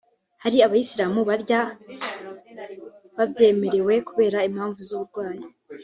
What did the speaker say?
hari Abayisilamu barya babyemerewe kubera impamvu z’uburwayi